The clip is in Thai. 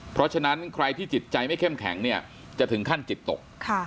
เพราะฉะนั้นใครที่จิตใจไม่เข้มแข็งเนี่ยจะถึงขั้นจิตตก